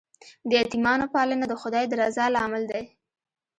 د یتیمانو پالنه د خدای د رضا لامل دی.